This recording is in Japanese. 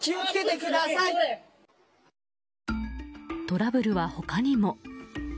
トラブルは他にも。